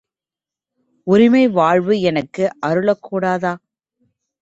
உரிமை வாழ்வு எனக்கு அருளக் கூடாதா?